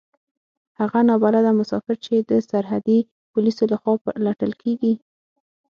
هغه نا بلده مسافر چې د سرحدي پوليسو له خوا پلټل کېږي.